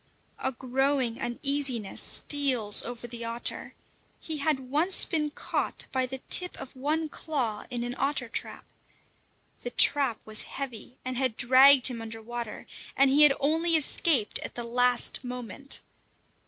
A growing uneasiness steals over the otter. He had once been caught by the tip of one claw in an otter trap. The trap was heavy, and had dragged him under water; and he had only escaped at the last moment.